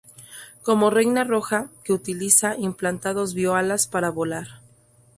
Como Reina Roja, que utiliza implantados bio-alas para volar.